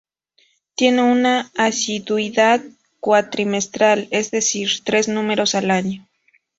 Tiene una asiduidad cuatrimestral, es decir, tres números al año.